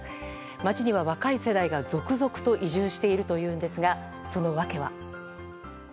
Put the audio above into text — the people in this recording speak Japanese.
町には若い世代が続々と移住しているというんですがその訳は。